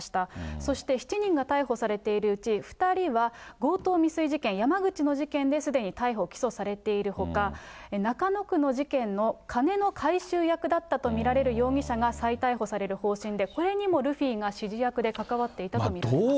そして７人が逮捕されているうち、２人は強盗未遂事件、山口の事件ですでに逮捕・起訴されているほか、中野区の事件の金の回収役だったと見られる容疑者が再逮捕される方針で、これにもルフィが指示役で関わっていたと見られています。